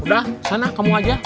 udah sana kamu aja